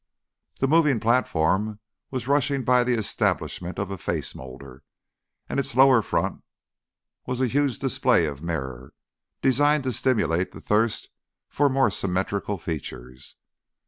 The moving platform was rushing by the establishment of a face moulder, and its lower front was a huge display of mirror, designed to stimulate the thirst for more symmetrical features.